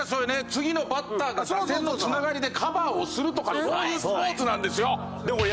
次のバッターから点の繋がりでカバーをするとかそういうスポーツなんですよ！